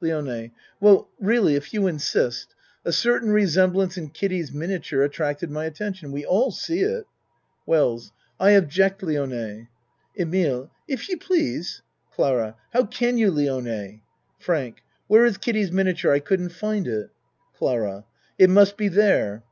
LIONE Well, really, if you insist. A certain resemblance in Kiddie's miniature attracted my at tention. We all see it. WELLS I object, Lione EMILE If you please CLARA How can you, Lione? FRANK Where is Kiddie's miniature. I couldn't find it. CLARA It must be there.